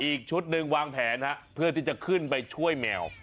อีกชุดหนึ่งวางแผนเพื่อที่จะขึ้นไปช่วยแมว